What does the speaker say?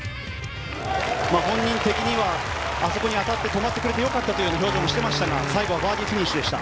本人的には止まってくれてよかったと表情もしていましたが最後はバーディーフィニッシュでした。